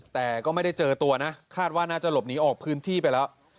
แต่ก็ไม่ได้เจอตัวนะคาดว่าน่าจะหลบหนีออกพื้นที่ไปแล้ว